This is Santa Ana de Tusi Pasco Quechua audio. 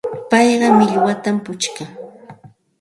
Payqa millwatam puchkan.